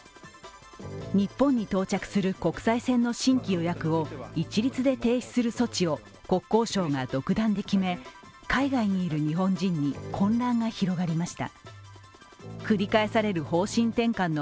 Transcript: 日本に到着する国際線の新規予約を一律で停止する措置を国交省が独断で決め海外にいる日本人に混乱が広がりました。